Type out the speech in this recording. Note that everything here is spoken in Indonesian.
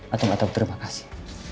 atau gak tau terima kasih